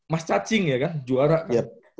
mas cacing ya kan juara kan